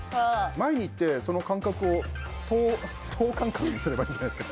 前に行って、その間隔を等間隔にすればいいんじゃないですか。